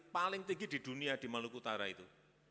paling tinggi di dunia di maluku utara itu